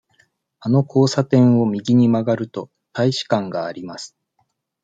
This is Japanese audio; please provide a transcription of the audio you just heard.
あの交差点を右に曲がると、大使館があります。